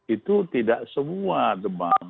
itu tidak semua demam